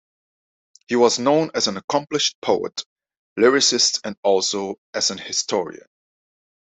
He was known as an accomplished poet, lyricist and also as an historian.